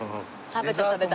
食べた食べた。